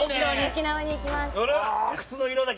沖縄に行きます。